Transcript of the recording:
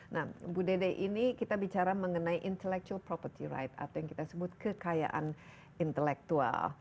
nah bu dede ini kita bicara mengenai intellectual property right atau yang kita sebut kekayaan intelektual